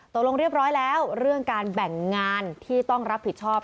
ตกลงเรียบร้อยแล้วเรื่องการแบ่งงานที่ต้องรับผิดชอบ